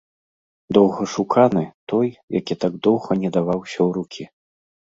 Доўгашуканы, той, які так доўга не даваўся ў рукі.